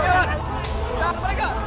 jangan sampai kabur